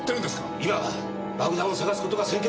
今は爆弾を探す事が先決です。